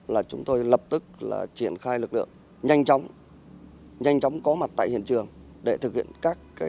là chúng tôi lập tức là triển khai lực lượng nhanh chóng nhanh chóng có mặt tại hiện trường để thực hiện các